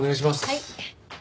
はい。